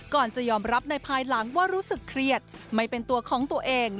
ก่อนจะยอมรับในภายหลังว่ารู้สึกเครียดไม่เป็นตัวของตัวเอง